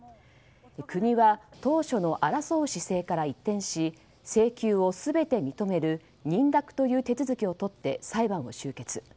国は当初の争う姿勢から一転し請求を全て認める認諾という手続きを取って裁判を終結。